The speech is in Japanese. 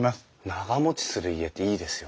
長もちする家っていいですよね。